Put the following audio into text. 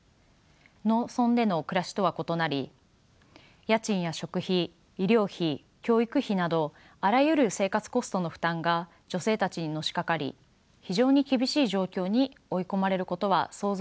農村での暮らしとは異なり家賃や食費医療費教育費などあらゆる生活コストの負担が女性たちにのしかかり非常に厳しい状況に追い込まれることは想像に難くありません。